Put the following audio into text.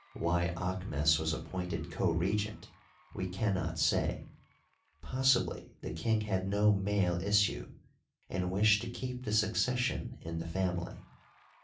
Why Aahmes was appointed co regent we can not say ; possibly the king had no male issue, and wished to keep the succession in the family.